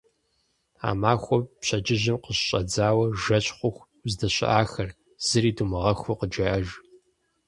А махуэм пщэдджыжьым къыщыщӏэдзауэ жэщ хъуху уздэщыӏахэр, зыри думыгъэхуу, къыджеӏэж.